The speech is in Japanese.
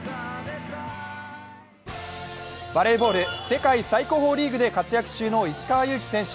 バレーボール、世界最高峰リーグで活躍中の石川祐希選手。